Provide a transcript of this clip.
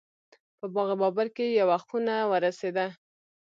په باغ بابر کې یوه خونه ورسېده.